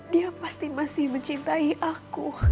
dia pasti masih mencintai aku